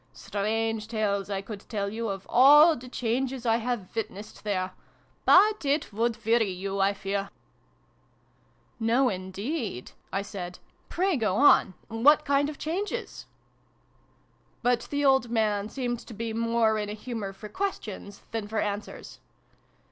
Strange tales I could tell you of all the changes I have witnessed there ! But it would weary you, I fear." 174 SYLVIE AND BRUNO CONCLUDED. " No, indeed! " I said. " Pray go on. What kind of changes ?" But the old man seemed to be more in a humour for questions than for answers.